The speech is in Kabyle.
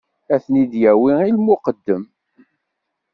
Ad ten-id-yawi i lmuqeddem.